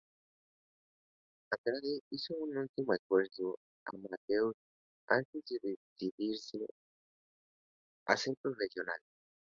Andrade hizo un último esfuerzo amateur antes de decidirse a ser profesional.